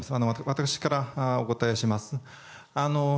私からお答えします。